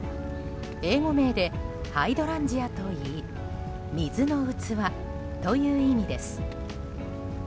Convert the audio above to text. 英語名でハイドランジアといい水の器という意味です。